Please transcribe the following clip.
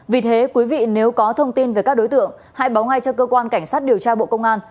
vì thế quý vị nếu có thông tin về các đối tượng hãy báo ngay cho cơ quan cảnh sát điều tra bộ công an